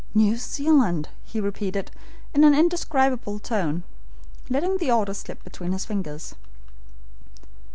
"New Zealand!" he repeated in an indescribable tone, letting the order slip between his fingers.